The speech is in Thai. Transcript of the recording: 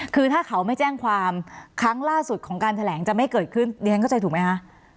คือถ้าเขาไม่แจ้งความครั้งล่าสุดของการแถลงจะไม่เกิดขึ้นเรียนเข้าใจถูกไหมคะ